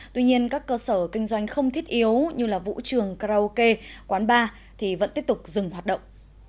tuy nhiên các cơ sở kinh doanh không thiết yếu như vũ trường karaoke quán bar thì vẫn tiếp tục dừng hoạt động